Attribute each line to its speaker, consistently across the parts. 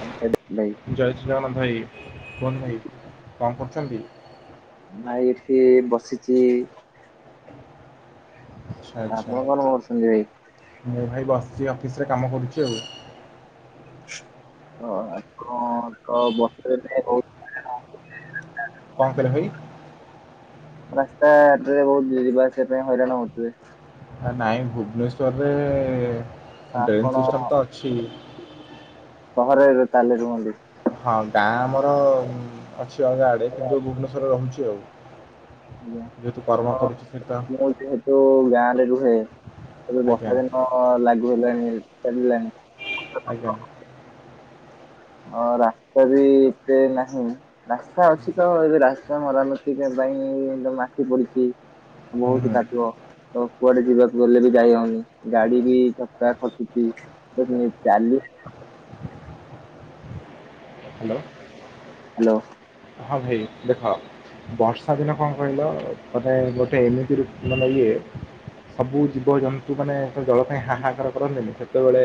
Speaker 1: କଣ କହିବି ଭାଇ?
Speaker 2: ଜୟ ଶ୍ରୀ ଜଗନ୍ନାଥ ଭାଇ କୁହନ୍ତୁ ଭାଇ କଣ କରୁଛନ୍ତି?
Speaker 1: ଭାଇ ଏଠି ବସିଚି।
Speaker 2: ଆଛା ଆଛା
Speaker 1: ଭାଇ?
Speaker 2: ମୁଁ ଭାଇ ବସ୍ ଏଇ ଅଫିସରେ କାମ କରୁଚି ଆଉ।
Speaker 1: ଓ ଆ କଣ [unintelligible]
Speaker 2: କଣ କହିଲେ ଭାଇ?
Speaker 1: ରାସ୍ତାଟାରେ ବୋହୁତ ଯିବା ଆସିବା ପାଇଁ ହଇରାଣ ହଉଥୁବେ।
Speaker 2: ଆ, ନାଇଁ
Speaker 1: ତ
Speaker 2: ଭୁବନେଶ୍ୱରରେ ଡ୍ରେନ
Speaker 1: ଆପଣ
Speaker 2: ସିଷ୍ଟମ ତ ଅଛି।
Speaker 1: ସହରରେ ତାହେଲେ ରୁହନ୍ତି?
Speaker 2: ହଁ ଗାଁ ଆମର ଅଛି ଅଲଗା ଆଡେ କିନ୍ତୁ ଭୁବନେଶ୍ୱରରେ ରହୁଚି ଆଉ।
Speaker 1: ଆଜ୍ଞା
Speaker 2: ଯେହେତୁ କର୍ମ
Speaker 1: ହଁ
Speaker 2: କରୁଛି ସେଠି
Speaker 1: ତ ମୁଁ ଯେହେତୁ ଗାଁରେ ରହୁ ହୁଏ ଏବେ
Speaker 2: ଆଜ୍ଞା
Speaker 1: ବର୍ଷା ଦିନ ଲାଗୁ ହେଲାଣି ଚାରିଲାଣି
Speaker 2: ଆଜ୍ଞା
Speaker 1: ଅ ରାସ୍ତା ବି ଏତେ ନାହିଁ ରାସ୍ତା ଅଛି ତ ଏବେ ରାସ୍ତା ମରାମତି କା ପାଇଁ ତ ମାଟି ପଡିଚି
Speaker 2: ହୁଁ
Speaker 1: ବୋହୁତୁ
Speaker 2: ହୁଁ
Speaker 1: କାଟିବ। ତ କୁଆଡେ ଯିବାକୁ ଗଲେ ବି ଯାଇ ହୋଉନି ଗାଡି ବି ଚକା ଖସୁଚି [unintelligible] ଚାଲି
Speaker 2: ହ୍ୟାଲୋ
Speaker 1: ହାଲୋ।
Speaker 2: ହଁ ଭାଇ ଦେଖ ବର୍ଷା ଦିନ କଣ କହିଲ ମାନେ ଗୋଟେ ଏମିତି ଋ ମାନେ ଇଏ ସବୁ ଜୀବଜନ୍ତୁ ମାନେ ସେ ଜଳ ପାଇଁ ହାହାକାର କରନ୍ତିନି ସେ ସେତେବେଳେ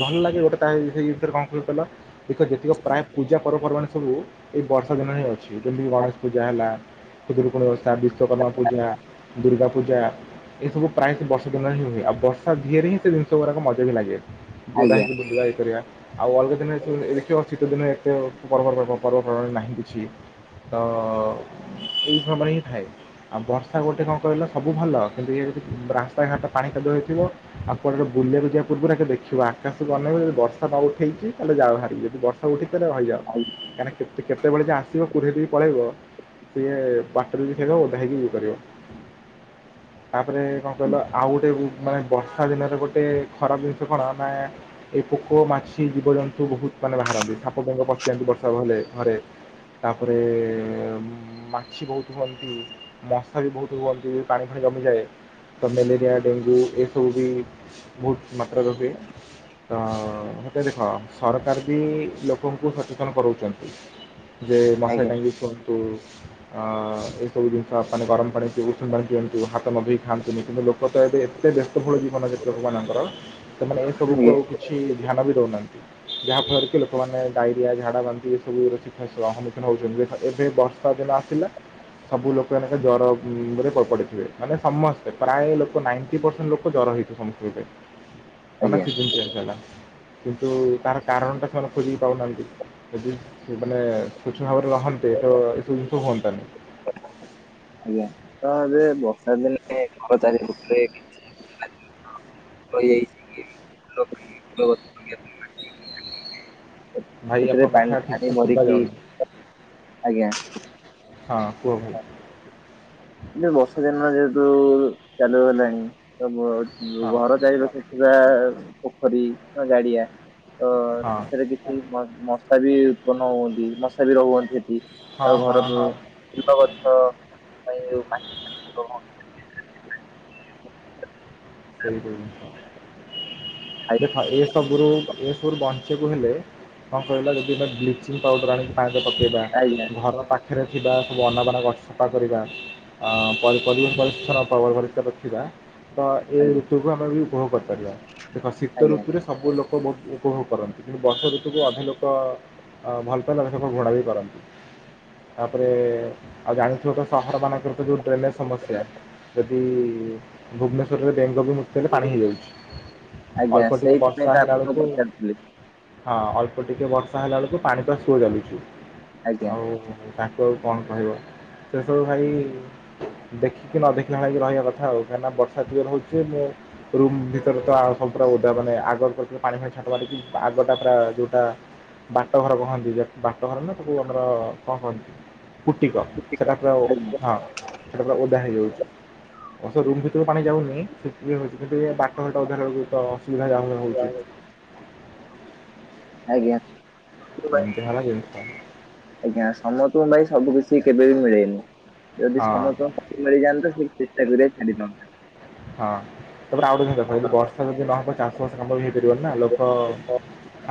Speaker 2: ଭଲ ଲାଗେ ଗୋଟେ ତା ସେଇ ଭିତରେ କଣ [unintelligible] କଲ ଟିକେ ଯେତିକ ପ୍ରାୟେ ପୂଜା ପର୍ବପର୍ବାଣି ସବୁ ଠୁ ଏଇ ବର୍ଷ ହଁ ଅଛି ଯେମିତି କି ଗଣେଶ ପୂଜା ହେଲା, ଖୁଦୁରୁକୁଣୀ ଓଷା, ବିଶ୍ୱକର୍ମା ପୂଜା, ଦୁର୍ଗା ପୂଜା ଏସବୁ ପ୍ରାୟ ସେ ବର୍ଷା ଦିନରେ ହିଁ ହୁଏ ଆଉ ବର୍ଷା ଧିଅରେ ହିଁ ସେ ଜିନିଷ ଗୁଡାକ ମଜା ବି ଲାଗେ। ବୋଦା
Speaker 1: ଆଜ୍ଞା
Speaker 2: ହେଇକି [unintelligible] କରିବା ଆଉ ଅଲଗା ଦିନଠୁ ଏ ଦେଖିବ ଶୀତ ଦିନରେ ଏତେ ପର୍ବ ପର୍ବ ପର୍ବପର୍ବାଣି ନାହିଁ ବି। ଛି ତ ଏଇ ସମୟରେ ହିଁ ଥାଏ ଆଉ ବର୍ଷା ଗୋଟେ କଣ କିହିଲ ସବୁ ଭଲ କିନ୍ତୁ ଏଇ ଭିତରେ ରାସ୍ତା ଘାଟ ପାଣି ରହିଥିବ ଆଉ କୁଆଡେ ଗୋଟେ ବୁଲିବାକୁ ଯିବା ପୂର୍ବରୁ ଆଗ ଦେଖିବ ଆକାଶକୁ ବନେଇବ ଯଦି ବର୍ଷା ନ ଉଠେଇଚି ତାହାଲେ ଯାଅ ଭା ଯଦି ବର୍ଷା ଉଠି ତାହାଲେ ରହିଯାଅ
Speaker 1: ଆଜ୍ଞା
Speaker 2: କାହିଁକିନା କେତେ କେ କେତେବେଳେ ଯେ ଆସିବ କୁୁରହେଇ ଦେଇ ପଳେଇବ ସିଏ ବାଟରେ ବି ଯିଏ ଠିଆ ହେଇଥିବ ଓଦା ହେଇକି ଇଏ କରିବ।
Speaker 1: ହ
Speaker 2: ତାପରେ କଣ କହିଲ ଆଉ ଗୋଟେ ରୁ ମାନେ ବର୍ଷା ଦିନରେ ଗୋଟେ ଖରାପ ଜିନିଷ କଣ ନା ଏଇ ପୋକ, ମାଛି, ଜୀବଜନ୍ତୁ ବୋହୁତ ମାନେ ବାହାରନ୍ତି ସାପ, ବେଙ୍ଗ ପଶିଯାଆନ୍ତି ବର୍ଷା ହେଲେ ଘରେ। ତାପରେ ମାଛି ବୋହୁତୁ ହୁଅନ୍ତି ମଶା ବି ବୋହୁତୁ ହୁଅନ୍ତି। ପାଣି ଫୁଣି ଜମିଯାଏ। ତ ମଲେରିଆ ଡେଙ୍ଗୁ ଏସବୁ ବି ବୋହୁତ ମାତ୍ରାରେ ହୁଏ। ତ ହେଟା ଦେଖ ସରକାର ବି ଲୋକଙ୍କୁ ସଚେତନ କରୋଉଚନ୍ତି। ଯେ ମସାରୀ
Speaker 1: ଆଜ୍ଞା
Speaker 2: ଟାଙ୍ଗିକି ସୁଅ। ତୁ ଅ ଏଇ ସବୁ ଜିନିଷ ପାନି ଗରମ କରି ଉଷୁମ ପାଣି ପିଅନ୍ତୁ ହାତ ନଧୋଇ ଖାଆନ୍ତୁନି କିନ୍ତୁ ଲୋକ ତ ଏବେ ଏତେ ବ୍ୟସ୍ତ ବୋହୁଳ ଜୀବନ ଯେ ଲୋକମାନଙ୍କର ସେମାନେ ଏ ସବୁକୁ
Speaker 1: ଆଜ୍ଞା
Speaker 2: ଆଉ କିଛି ଧ୍ୟାନ ବି ଦୋଉନାହା ଯାହାଫଳରେ କି ଲୋକମାନେ ଡାଇରିଆ, ଝାଡା, ବାନ୍ତି, ଏ ସବୁର ଚି ହେଠୁ ଆ ସମ୍ମୁଖୀନ ହୋଉଛନ୍ତି ଦେଖ ଏବେ ବର୍ଷା ଦିନ ଆସିଲା ସବୁ ଲୋକ ଏନା ଖାଲି ଜର ଉଁ ରେ ପ ପଡିଥିବେ ମାନେ ସମସ୍ତେ ପ୍ରାୟେ ଲୋକ ନାଇଣ୍ଟି ପର୍ସେଣ୍ଟ ଲୋକ ଜର
Speaker 1: ଆଜ୍ଞା
Speaker 2: କିନ୍ତୁ ତାର କାରଣ ଟା ସେମାନେ ଖୋଜି ପାଉନାହାନ୍ତି ଯଦି ସେ ମାନେ ସ୍ୱଚ୍ଛ ଭାବରେ ରହନ୍ତେ ତ ଏସବୁ ଶୁହୁଅନ୍ତାନି।
Speaker 1: [unintelligible] [unintelligible] ଫୁଲ ଗଛ ଲଗେଇବା ପାଇଁ
Speaker 2: ଭାଇ
Speaker 1: ସେଥିରେ
Speaker 2: ଆପଣଙ୍କ
Speaker 1: ପାଣି
Speaker 2: କଥା ଠିକ୍
Speaker 1: ଠାଣି
Speaker 2: ସେ ଶୁଭା
Speaker 1: ଭରିକି
Speaker 2: ଯାଉନି।
Speaker 1: ଆଜ୍ଞା।
Speaker 2: ହଁ କୁହ ହୁ
Speaker 1: ଉ ଚାଲୁ ହେଲାଣି ତ ଘ
Speaker 2: ହଁ
Speaker 1: ଘର ଚାହି ସେ ଯାହା ପୋଖରୀ ଗାଡିଆ ତ
Speaker 2: ହଁ
Speaker 1: ସେଥିରେ କିଛି ମ ମ ମସା ବି ଉତ୍ପନ୍ନ ହୁଅନ୍ତି ମଶା ବି ରହୁ ହଅନ୍ତି ସେଠି।
Speaker 2: ହଁ ହଁ ହଁ
Speaker 1: [unintelligible]
Speaker 2: [inaudible]
Speaker 1: ଆଜ୍ଞା
Speaker 2: ସବୁରୁ ଏସବୁରୁ ବଞ୍ଚିବାକୁ ହେଲେ କଣ କହିଲା ଯଦି ଏ ବ୍ଲିଚିଂ ପାଉଡ଼ର ଆଣି ପାଜ ପକେଇବା,
Speaker 1: ଆଜ୍ଞା
Speaker 2: ଘର ପାଖ ପାଖରେ ଥିବା ସବୁ ଅନାବାନ ଗଛ ସଫା କରିବା ପର ପରି୍ଛନ ପରିଷ୍କାର ରଖିବା। ତ ଏ
Speaker 1: ଆଜ୍ଞା
Speaker 2: ଋତୁକୁ ଆମେ ବି ଉପଭୋଗ କରିପାରିବା ଦେଖ ଶୀତ
Speaker 1: ଆଜ୍ଞା
Speaker 2: ଋତୁରେ ସବୁ ଲୋକ ଉପଭୋଗ କରନ୍ତି। କିନ୍ତୁ ବର୍ଷା ଋତୁକୁ ଅଧା ଲୋକ ଆ ଭଲ ପାଇଲା ସେ ଘୋଡ଼ା ବି କରନ୍ତି। ତାପରେ ଆଉ ଜାଣିଥିବ ତ ସହର ମାନଙ୍କରେ ତ ଯୋଉ ଡ୍ରେନେଜ ସମସ୍ୟା। ଯଦି ଭୁବନେଶ ବେଙ୍ଗ ବି ମୁତିଲେ ପାଣି ହେଇଯାଉଛି
Speaker 1: ଆଜ୍ଞା
Speaker 2: ଅଳ୍ପ ଟିକେ
Speaker 1: ସେଇଥିପାଇଁ
Speaker 2: ବର୍ଷା
Speaker 1: ତ
Speaker 2: ହେଲା
Speaker 1: ଆପଣଙ୍କୁ
Speaker 2: ବେଳକୁ
Speaker 1: ପଚାରୁଥିଲି
Speaker 2: ହଁ ଅଳ୍ପ ଟିକେ ବର୍ଷା ହେଲା ବେଳକୁ ପାଣିଟା ସୁଅ ଚାଲୁଛି।
Speaker 1: ଆଜ୍ଞା।
Speaker 2: ଆଉ ତାଙ୍କୁ ଆଉ କଣ କହିବ? ସେସବୁ ଭାଇ ଦେଖିକି ନ ଦେଖିଲା ଭଳି କିି ରହିବା କଥା ଆଉ କହିଁକି ନା ବର୍ଷ ମୁଁ ରୁମ ଭିତରେ ତ ଆଗ ପୁରା ଓଦା ମାନେ ଆଗ ପାଣି ଫାଣୀ ଛାଟ ମାରିକି ଆ ଆଗଟା ପୁରା ଯୋଉଟା ବାଟ ଘର କହନ୍ତି, ବାଟ ଘର ନା ସବୁ ଆମର କଣ କୁହନ୍ତି? ପୁଟିକ ସେଟା ପୁରା ଓ
Speaker 1: ଆଜ୍ଞା
Speaker 2: ହଁ ସେଟା ପୁରା ଓଦା ହେଇଯାଉଛି। ରୁମ୍ ଭି ପାଣି ଯାଉନି ସେ ହଉଛି କିନ୍ତୁ ଏ ବାଟ ଘରଟା ଓଦା ହେଲା ବେଲକୁ ତ। [unintelligible]
Speaker 1: ଆଜ୍ଞା।
Speaker 2: ଏମିତି ହେଲା ଜନିଷ।
Speaker 1: ଆଜ୍ଞା ସମସ୍ତଙ୍କୁ ଭାଇ ସବୁ କିଛି କେବେ ବିି ମିଳେନି। ଯଦି
Speaker 2: ହଁ।
Speaker 1: ସମସ୍ତଙ୍କୁ ସବୁ ମିଳିଯାଆନ୍ତା ତ ସେ ଚେଷ୍ଟା କରିବା ଛାଡ଼ିନ।
Speaker 2: ହଁ ତାପରେ ଆଉ ଯଦି ବର୍ଷା ଯଦି ନହବ ଚା ଅସ କାମ ବି ହେଇପାରିବନି ନା ଲୋକ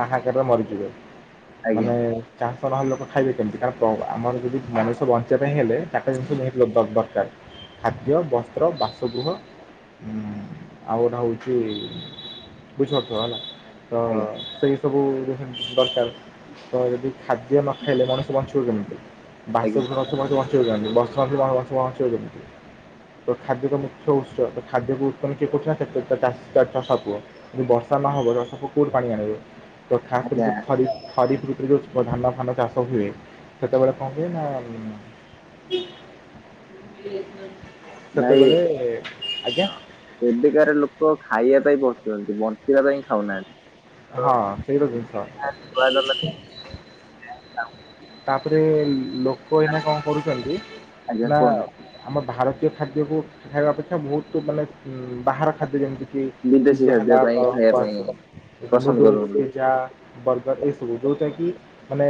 Speaker 2: ଆହାକାରରେ ମରିଯିବେ।
Speaker 1: ଆଜ୍ଞା
Speaker 2: ମାନେ ଚା ସ ଲୋକ ଖାଇବେ କେମିତି କାରଣ ଆମର ଯଦି ମଣିଷ ବଞ୍ଚିବା ପାଇଁ ହେଲେ ତାଙ୍କ ଜିନିଷ ନିହାତି ଦରକାର। ଖାଦ୍ୟ, ବସ୍ତ୍ର, ବାସଗୃହ। ହୁଁ ଆଉ ଗୋଟେ ହଉଛି ବୁଝିପାରୁଥିବ ହେଲା। ହଁ
Speaker 1: ଆଜ୍ଞା
Speaker 2: ସେଇ ସବୁ ଦରକାର ତମେ ଯଦି ଖାଦ୍ୟ ନ ଖାଇଲେ ମଣିଷ ବଞ୍ଚିବ କେମିତି?
Speaker 1: ଆଜ୍ଞା।
Speaker 2: ବାସଗୃହ ମଣିଷ ବଞ୍ଚିବ କେମିତି? ବର୍ଷା ନଥିଲେ ବଞ୍ଚିବ ଯେମିତି ତ ଖାଦ୍ୟର ମୁଖ୍ୟ ଉତ୍ସ ଖାଦ୍ୟକୁ ଉତ୍ପନ୍ନ କିଏ କରୁ ନା ସେତ ଚାଷୀ ଚଷା ପୁଅ ଯଦି ବର୍ଷା ନହବ ଚଷା ପୁଅ କୋଉଠି ପାଣି ଆଣିବେ? [unintelligible] ଯୋଉ
Speaker 1: ଆଜ୍ଞା
Speaker 2: ଧାନ ଫାନ ଚାଷ ହୁଏ ସେତେବେଳେ କଣ ହୁଏ ନା ସେତେବେଳେ ଆଜ୍ଞା
Speaker 1: ହଁ ଏବେକାର ଲୋକ ଖାଇବା ପାଇଁ ବସୁଛନ୍ତି ବଞ୍ଚିବା ପାଇଁ ଖାଉନାହାନ୍ତି।
Speaker 2: ହଁ ସେଇତ ଜିନିଷ
Speaker 1: ଛୁଆ ଜନ୍ମ
Speaker 2: ତାପରେ ଲୋକ ଏଇନା କଣ କରୁଛନ୍ତି
Speaker 1: ଆଜ୍ଞା
Speaker 2: ନା
Speaker 1: କୁହନ୍ତୁ
Speaker 2: ଆମ ଭାରତ ସେ ଖାଦ୍ୟକୁ ଖାଇବା ଅପେକ୍ଷା ବହୁତ ମାନେ ବାହାର ଖାଦ୍ୟ ଯେମିତିକି
Speaker 1: ବିଦେଶୀ
Speaker 2: ପିଜା ହେଲା
Speaker 1: ଖାଦ୍ୟ ପାଇଁ ଖାଇବା
Speaker 2: ବା
Speaker 1: ପାଇଁ
Speaker 2: ହବସ।
Speaker 1: ପସନ୍ଦ
Speaker 2: ନୁଡୁଲସ
Speaker 1: କରୁଛନ୍ତି
Speaker 2: ପିଜ୍ଜା ବର୍ଗ ଏ ସବୁ ଯୋଉଟା କି ମାନେ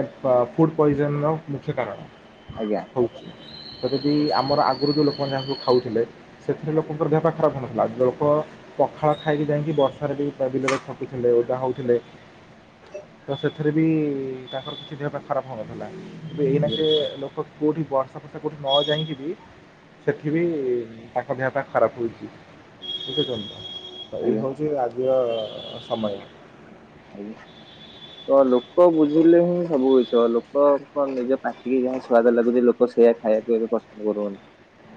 Speaker 2: ଫୁଡ ପଏଜନର ମୁଖ୍ୟ କାରଣ।
Speaker 1: ଆଜ୍ଞା।
Speaker 2: ହଉ ତ ଯଦି ଆମର ଆଗରୁ ଯୋଉ ଲୋକମାନେ ଯାହାକୁ ଖାଉଥିଲେ ସେଥିରେ ଲୋକଙ୍କର ଦେହ ଖରାପ ହେନଥିଲା ଲୋକ ପଖାଳ ଖାଇକି ଯାଇକି ବର୍ଷାରେ ବି ବିଲରେ ଥିଲେ ଓଦା ହଉଥିଲେ ତ ସେଥିରେ ବି ତାଙ୍କର କିଛି ଦେହପା କର୍ମ ହେଉଥିଲା ଏବେ ଏହିନାକେ
Speaker 1: ଆଜ୍ଞା
Speaker 2: ଲୋକ କଉଠି ବର୍ଷା ଫର୍ଷା ନ ଯାଇକି ବି ସେଠିବି ତାଙ୍କ ଦେହଟା ଖରାପ ହେଉଛି ବୁଝୁ ଏଇ
Speaker 1: ଆଜ୍ଞା
Speaker 2: ହଉଛି ଆଜିର ସମୟ।
Speaker 1: ଆଜ୍ଞା। ତ ଲୋକ ବୁଝିଲେ ହିଁ ସବୁ କିଛି ହେବ ଲୋକଙ୍କ ନିଜ ପାଟିକି ଯାହା ସ୍ଵାଦ ଲାଗୁଛି ଲୋକ ସେଇଆ ଖାଇବାକୁୁ ଏବେ ପସନ୍ଦ କରୁଛନ୍ତି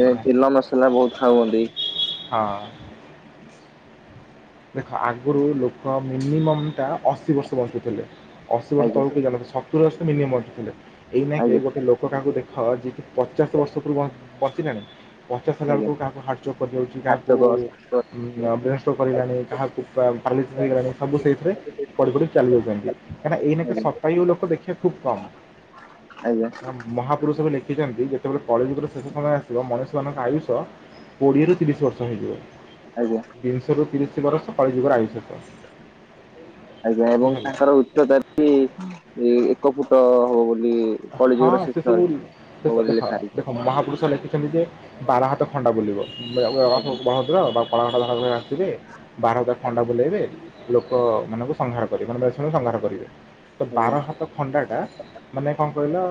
Speaker 1: ଏ
Speaker 2: ହଁ
Speaker 1: ତିଲ ମସଲା ବହୁତ ଥାଉହନ୍ତି
Speaker 2: ଦେଖ ଆଗରୁ ଲୋକ ମିନିମମ୍ ଟା ଅଶୀ ବର୍ଷ ବଞ୍ଚୁଥିଲେ। ଅଶୀ ବର୍ଷ
Speaker 1: ଆଜ୍ଞା
Speaker 2: ତଳକୁ କେହି ଜଣେ ନାହିଁ ସତୁରୀ ଅଶୀ ତ ମିନିମମ ବଞ୍ଚୁଥିଲେ ଏଇ ନେ କେହି
Speaker 1: ଆଜ୍ଞା
Speaker 2: ଗୋଟେ ଲୋକ କାହାକୁ ଦେଖାଅ ଯିଏ ପଚାଶ ବର୍ଷ ପୂର୍ବ ପହଁଚିଲାଣି- ପଚାଶ ହେଲା
Speaker 1: ଆଜ୍ଞା।
Speaker 2: ବେଳକୁ କାହାକୁ ହାର୍ଟଚକ୍ କରିଯାଉଛି
Speaker 1: ଖାଚକ
Speaker 2: କାହାକୁ
Speaker 1: ଶାଗ,
Speaker 2: ବ୍ରେନ୍ ଷ୍ଟ୍ରୋକ କରିଲାଣି କାହାକୁ- [unintelligible] ହେଇଗଲାଣି ସବୁ ସେଇଥିରେ ପଡି ପଡି ଚାଲିଯାଉଛନ୍ତି କାହିଁକିନା ଏଇନାକେ
Speaker 1: ଆଜ୍ଞା
Speaker 2: ଶତାୟୁ ଲୋକ ଦେଖିବା ଖୁବ କମ୍।
Speaker 1: [unintelligible]
Speaker 2: ମହାପୁରୁଷବି ଲେଖି- ଲେଖିଛନ୍ତି ଯେତେବେଳେ କଳି ଯୁଗର ଶେଷ ସମୟ ଆସିବ ମଣିଷମାନଙ୍କ ଆୟୁଷ କୋଡ଼ିଏରୁ ତିରିଶ ବର୍ଷ ହେଇଯିବ
Speaker 1: ଆଜ୍ଞା।
Speaker 2: ତିନିଶରୁ ତିରିଶ- ଅଶି ବରଷ କଳିଯୁଗର ଆୟୁଷ ତ
Speaker 1: ଆଜ୍ଞା ଏବଂ ତାଙ୍କର ଉଚ୍ଚତା ବି ଏକ ଫୁଟ ହବ ବୋଲି
Speaker 2: ହଁ
Speaker 1: କଳିଯୁଗର
Speaker 2: ସେ
Speaker 1: ଶେଷରେ
Speaker 2: ସବୁ
Speaker 1: ହବ ବୋଲି
Speaker 2: ଦେଖ
Speaker 1: ଲେଖା ହେଇଛି।
Speaker 2: ଦେଖ ମହାପୁରୁଷ ଲେଖିଛନ୍ତି ଯେ ବାର ହାତ ଖଣ୍ଡା ବୁଲିବ [unintelligible] ବଳଭଦ୍ର
Speaker 1: ଆଜ୍ଞା
Speaker 2: [unintelligible] ଆସିଥିଲେ ବାର ହାତ ଖଣ୍ଡା ବୁଲେଇବେ ଲୋକ ମାନଙ୍କୁ ସଂହାର କରିବେ ମାନେ ମ୍ଳେଶ ମାନଙ୍କୁ ସଂହାର କରିବେ। ତ
Speaker 1: ଆଜ୍ଞା
Speaker 2: ବାର ହାତ ଖଣ୍ଡା ଟା ମାନେ କଣ କହିଲ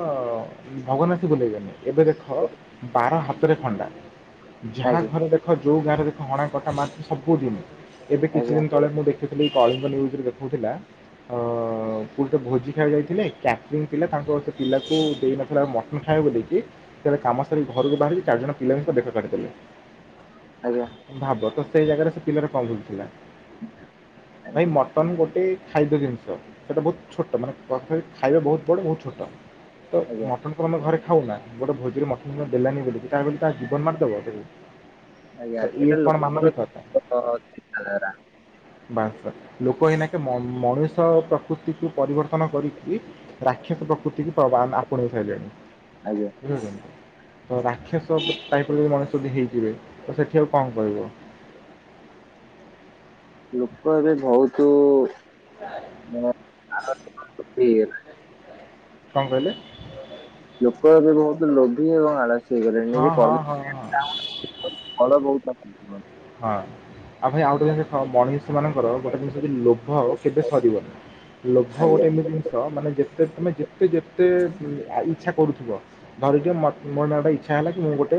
Speaker 2: ଭଗବାନ ଆସି ବୁଲେଇବେନି। ଏବେ ଦେଖ ବାର ହାତରେ ଖଣ୍ଡା ଯାହା ଘରେ ଦେଖ- ଯେଉଁ ଗାଁରେ ଦେଖ ହଣା କଟା ମାର ପିଟ ସବୁ ଦିନ ଏବେ କିଛି
Speaker 1: ଆଜ୍ଞା
Speaker 2: ଦିନ ତଳେ ମୁଁ ଦେଖି କଳିଙ୍ଗ ନିଉଜରେ ଦେଖଉଥିଲା। ହଁ ଗୋଟେ ଭୋଜି ଖାଇବାକୁ ଯାଇଥିଲେ ଚାରି ଜଣ ଥିଲେ ତାଙ୍କର ଗୋଟେ ପିଲାକୁ ଦେଇ ନଥିଲେ ମୋଟନ ଖାଇବାକୁ ଦେଇକି ଯେବେ କାମ ସାରିକି ଘରକୁ ବାହାରିବି ଚାରିଜଣ ପିଲାଙ୍କ ସହ ଦେଖା କରି
Speaker 1: ଆଜ୍ଞା
Speaker 2: ପାରିବି। ଭାବ ତ ସେଇ ଜାଗାରେ ସେ ପିଲର କଣ ଭୁଲ ଥିଲା।
Speaker 1: ଆଜ୍ଞା
Speaker 2: ଭାଇ
Speaker 1: ଆଜ୍ଞା
Speaker 2: ମଟନ ଗୋଟେ। ଖାଦ୍ୟ ଜିନିଷ ସେଇଟା ବହୁତ ଛୋଟ ମାନେ ପରଫେକ୍ଟ ଖାଇବା ବହୁତ ବଡ଼ ବହୁତ ଛୋଟ। ତ
Speaker 1: ଆଜ୍ଞା
Speaker 2: ମଟନ କୁ ଆମେ ଘରେ ଖାଉନା ଗୋଟେ ଭୋଜିର ମଟନ ଦେଲାନି ବୋଲି ତା ବୋଲି ତା ଜୀବନରେ ମାରିଦବ ତାକୁ
Speaker 1: ଆଜ୍ଞା
Speaker 2: ତ ଇଏ
Speaker 1: ଏଇଟା
Speaker 2: କ'ଣ
Speaker 1: ଲୋକଙ୍କର
Speaker 2: ମାନବିକତା
Speaker 1: [unintelligible] ଚିନ୍ତାଧାରା
Speaker 2: ବାସ ଲୋକ ଏଇନାକେ ମନ ମଣିଷ ପ୍ରକୃତିକୁ ପରିବର୍ତ୍ତନ କରିକି ରାକ୍ଷସ ପ୍ରକୃତିକୁ [unintelligible] ସାରିଲେଣି।
Speaker 1: ଆଜ୍ଞା
Speaker 2: ବୁଝୁଛନା ରାକ୍ଷସ ଟାଇପ୍ ର ଯଉ ମଣିଷ ଯଦି ହେଇ ଥିବେ ତ ସେଠି ଆଉ କଣ କହିବ।
Speaker 1: ଲୋକ ଏବେ ବହୁତୁ
Speaker 2: [unintelligible]
Speaker 1: [unintelligible]
Speaker 2: କଣ କହିଲେ?
Speaker 1: ଲୋକ ଏବେ ବହୁତ ଲୋଭି ଏବଂ ଆଳସ୍ୟ ସେଇମା
Speaker 2: ହଁ
Speaker 1: ନିଜ
Speaker 2: ହଁ ହଁ ହଁ
Speaker 1: କର୍ମ [unintelligible] ବଡ ବୋଉ। [unintelligible]
Speaker 2: ହଁ। ହଁ ଭାଇ ଆଉ ଗୋଟେ ଜିନିଷ ମଣିଷ ମାନଙ୍କର ଗୋଟେ ଜିନିଷ ଯେ ଲୋଭ କେବେ ସରିବନି। ଲୋଭ ଗୋଟେ
Speaker 1: ଆଜ୍ଞା
Speaker 2: ଏମିତି ଜିନିଷ ମାନେ ଯେତେ ତମେ ଯେତେ ଯେତେ ଇଚ୍ଛା କରୁଥିବ ଧରିଦିଅ ମୋର ନା ଗୋଟେ ଇଚ୍ଛା ହେଲା କି ମୁଁ ଗୋଟେ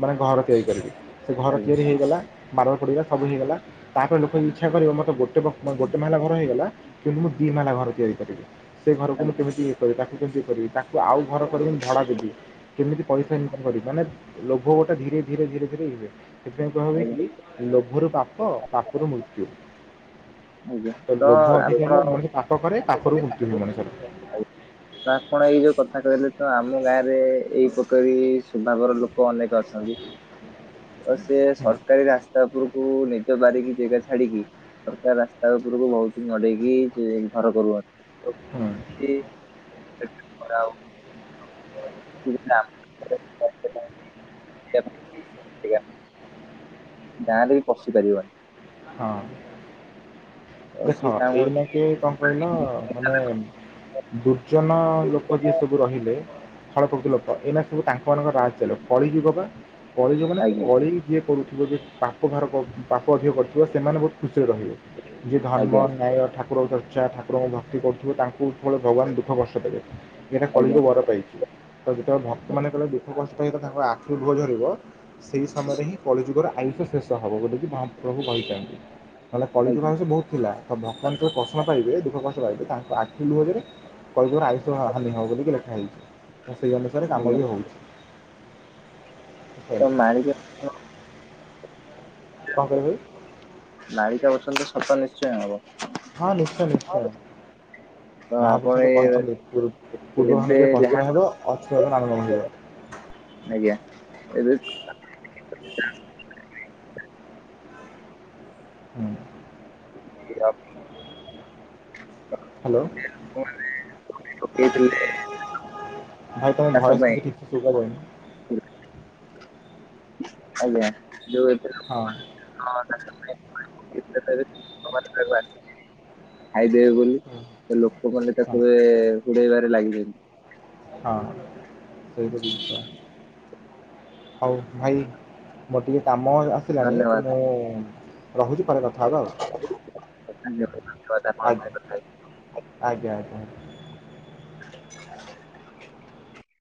Speaker 2: ମାନେ ଘର ତିଆରି କରିବି। ସେ ଘର
Speaker 1: ଆଜ୍ଞା
Speaker 2: ତିଆରି ହେଇଗଲା ମାର୍ବଲ ପଡିଗଲା ସବୁ ହେଇଗଲା ତାପରେ ଲୋକ ଇଛା କରିବ ମରତ ଗୋଟେ ଗୋଟେ ମହଲା ଘର ହେଇଗଲା କି ମୁଁ ଦି ମାହାଲା ଘର ତିଆରି କରିବି ସେ ଘରକୁ ମୁଁ
Speaker 1: ଆଜ୍ଞା
Speaker 2: କେମିତି କରିବି ତାକୁ କେମିତି କରିବି ତାକୁ ଆଉ ଘର ଭଡା ଦେବି କେମିତି ପଇସା ଇନ୍‌କମ୍‌ କରିବି ମାନେ ଲୋଭ ଗୋଟା ଧୀରେ ଧୀରେ ଧୀରେ ଧୀରେ ହୋଇଥାଏ ସେଥିପାଇଁ କହା ହୁଏ
Speaker 1: ଆଜ୍ଞା
Speaker 2: କି ଲୋଭରୁ ପାପ ପାପରୁ ମୃତ୍ୟୁ।
Speaker 1: ଆଜ୍ଞା
Speaker 2: ତ ଲୋଭ ଅଧିକ
Speaker 1: ଆପଣ
Speaker 2: ହେଲେ ମଣିଷ ପାପ କରେ ପାପରୁ ମୃତ୍ୟୁ ହୁଏ ମଣିଷର।
Speaker 1: ତା ଆପଣ ଏଇ ଯୋଉ କଥା କହିଲେ ତ ଆମ ଗାଁରେ ଏଇ ପକାରି ସ୍ବଭାବର ଲୋକ ଅନେକ ଅଛନ୍ତି। ତ ସେ
Speaker 2: ହୁଁ,
Speaker 1: ସରକାରୀ ରାସ୍ତା ଉପରୁ କୁ ନିଜ ବାରିକି ଜେଗା ଛାଡିକି ସରକାର ରାସ୍ତା ଉପରକୁ ବହୁତ ମଡେଇକି ଘର କରୁଛନ୍ତି। ଓକେ
Speaker 2: ହୁଁ,
Speaker 1: ସେ କଣ ଆଉ? [inaudible] ଆମେରିକା ପାଇଁ ଜାଗା ଗାଁରେ ବି ପଶି ପାରିବନି।
Speaker 2: ହଁ।
Speaker 1: ତ
Speaker 2: ଦେଖ
Speaker 1: ସେ ଚାହୁଁ
Speaker 2: ଏଇନାକେ କଣ କହିଲ ମାନେ ଦୁର୍ଜନ ଲୋକ ଯିଏ ସବୁ ରହିଲେ? ଖଳପ୍ରକୃତି ଲୋକ ଏଇନା ସବୁ ତାଙ୍କ ମାନଙ୍କର ରାଜ ଚାଲିବ କଳିଯୁଗ ବା। କଳିଯୁଗ ମାନେ
Speaker 1: ଆଜ୍ଞା
Speaker 2: କଳି ଯିଏ କରୁଥିବ ପାପ ଭାର ପାପ ଯିଏ କରୁଥିବ ସେମାନେ ବହୁତ ଖୁସି ରହିବେ ଯିଏ ଧର୍ମ,
Speaker 1: ଆଜ୍ଞା
Speaker 2: ନ୍ୟାୟ, ଠାକୁରଙ୍କ ଚର୍ଚ୍ଚା ଠାକୁରଙ୍କୁ ଭକ୍ତି କରୁଥିବେ ତାଙ୍କ ସେତେ ବେଳେ ଭଗବାନ ଦୁଃଖ କଷ୍ଟ ଦେବେ ଏଟା କଳିରୁ
Speaker 1: ଆଜ୍ଞା
Speaker 2: ବର ପାଇଛି ତ ଯେତେବେଳେ ଭକ୍ତମାନେ କଲେ ଦୁଃଖ କଷ୍ଟ ସହିତ ତାଙ୍କ ଆଖିରୁ ଲୁହ ଝରିବ ସେଇ ସମୟରେ ହିଁ କଳିଯୁଗର ଆୟୁଷ ଶେଷ ହବ ବୋଲିକି ମହାପ୍ରଭୁ କହିଛନ୍ତି ନହେଲେ କଳି
Speaker 1: ଆଜ୍ଞା
Speaker 2: ଭାବ ବହୁତ ଥିଲା ତ ଭଗବାନ କେବେ କଷଣ ପାଇିବବେ [inaudible] ଦୁଃଖ କଷ୍ଟ ପାଇବେ ତାଙ୍କ ଆଖି ଲୁହରେ କଳିଯୁଗର ଆୟୁଷ ହାନି ହବ ବୋଲି ଲେଖା ହେଇଛି। ସେହି ଅନୁସାରେ କାମ ବି
Speaker 1: ଆଜ୍ଞା
Speaker 2: ହଉଛି।
Speaker 1: ତ
Speaker 2: କହିଲେ
Speaker 1: ମାଳିକା
Speaker 2: କଣ କହିଲେ
Speaker 1: ମାଳିକା ବଚନ ସତ ନିଶ୍ଚୟ ହବ।
Speaker 2: ହଁ ନିଶ୍ଚୟ ନିଶ୍ଚୟ।
Speaker 1: ହଁ [inaudible]
Speaker 2: ମହାପୁରୁଷ ତ କହିଛନ୍ତି ପୂର୍ବ
Speaker 1: ଏବେ
Speaker 2: ଭାରତରେ
Speaker 1: ଯାହା
Speaker 2: ପଶ୍ଚିମ ହେବ। [unintelligible]
Speaker 1: ଆଜ୍ଞା ଏ
Speaker 2: ହୁଁ [unintelligible]
Speaker 1: [inaudible]
Speaker 2: ହ୍ୟାଲୋ।
Speaker 1: ଲୋକମାନେ ପକେଇଥିଲେ
Speaker 2: ଭାଇ ତମ
Speaker 1: ଚାଷ
Speaker 2: ଭଏସ୍‌
Speaker 1: ପାଇଁ
Speaker 2: କିଛି ଠିକ ସେ ସୁଭା ଯାଉନି?
Speaker 1: ଆଜ୍ଞା ଯଉ ଏଵେ। [inaudible]
Speaker 2: ହଁ।
Speaker 1: [inaudible] ଖାଇଦେବେ ବୋଲି ସେ ଲୋକମାନେ
Speaker 2: ହଁ
Speaker 1: ତାକୁ ଏ ହୁଡେଇବାରେ ଲାଗିଛନ୍ତି।
Speaker 2: ହଁ ସେଇଟୁ ହଉ ଭାଇ ମୋର ଟିକେ କାମ ଆସିଲାଣି
Speaker 1: ଧନ୍ୟବାଦ
Speaker 2: ମୁଁ ରହୁଛି ପରେ କଥା ହେବା ଆଉ।
Speaker 1: ଧନ୍ୟବାଦ ଧନ୍ୟବାଦ ଆପଣଙ୍କ ସହିତ କଥା
Speaker 2: ଆଜ୍ଞା ଆଜ୍ଞା ଆଜ୍ଞା।
Speaker 1: [inaudible]